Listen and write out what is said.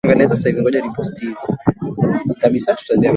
maini figo na kila kitu kinachopatikana tumboni